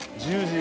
１０時。